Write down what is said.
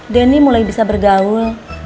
demi mulai bisa bergaul